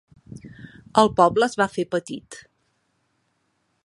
El poble es va fer petit.